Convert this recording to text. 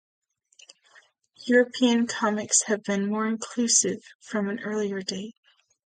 European comics have been more inclusive from an earlier date.